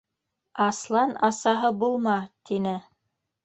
«Аслан асаһы булма!» - тине.